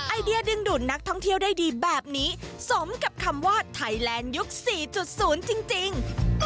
ไอเดียดึงดูดนักท่องเที่ยวได้ดีแบบนี้สมกับคำว่าไทยแลนด์ยุค๔๐จริง